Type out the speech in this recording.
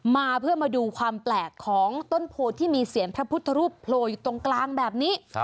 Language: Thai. มาเพื่อมาดูความแปลกของต้นโพที่มีเสียงพระพุทธรูปโผล่อยู่ตรงกลางแบบนี้